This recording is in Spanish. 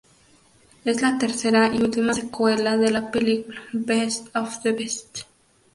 Es la tercera y última secuela de la película Best of the Best.